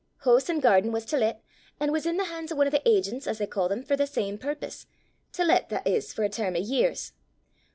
Hoose an' gairden was to let, an' was intil the han's o' ane o' thae agents, as they ca' them, for that same purpose to let, that is, for a term o' years.